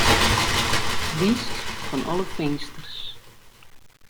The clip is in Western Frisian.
List fan alle finsters.